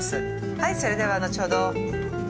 はいそれではのちほど。